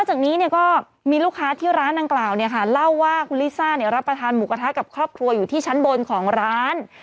จากนี้ก็มีลูกค้าที่ร้านดังกล่าวเนี่ยค่ะเล่าว่าคุณลิซ่ารับประทานหมูกระทะกับครอบครัวอยู่ที่ชั้นบนของร้าน